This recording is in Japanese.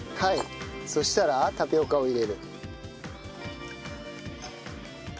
そしたらタピオカを入れる。